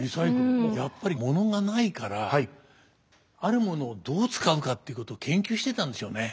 やっぱりものがないからあるものをどう使うかっていうこと研究してたんでしょうね。